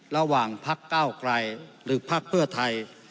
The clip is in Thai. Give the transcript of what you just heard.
ระหว่างพักเก้าไกลหรือภักดิ์เพื่อไทย